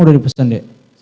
udah dipesan dek